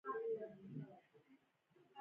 د سهار تازه هوا مې زړه خوشحاله کړ.